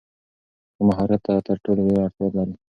کوم مهارت ته تر ټولو ډېره اړتیا لرې؟